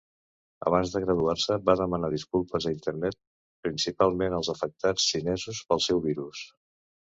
Abans de graduar-se va demanar disculpes a internet, principalment als afectats xinesos pel seu virus.